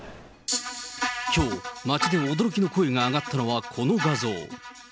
きょう、街で驚きの声が上がったのはこの画像。